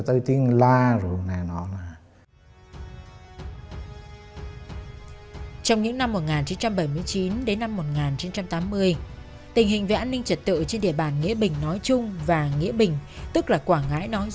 tôi nhìn rõ nhưng mà tui không biết nó